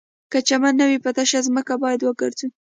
که چمن نه وي په تشه ځمکه باید وګرځو